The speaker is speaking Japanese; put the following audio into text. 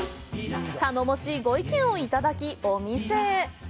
頼もしいご意見をいただき、お店へ。